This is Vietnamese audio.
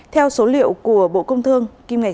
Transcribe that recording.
theo số liệu của bộ công thương